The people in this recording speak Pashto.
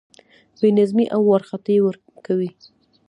بې نظمي او وارخطايي کوي.